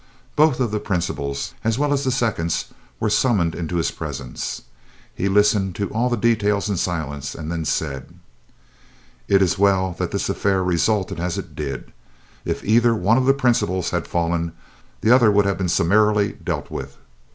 Both of the principals, as well as the seconds were summoned into his presence. He listened to all the details in silence, and then said: "It is well that this affair resulted as it did. If either one of the principals had fallen, the other would have been summarily dealt with.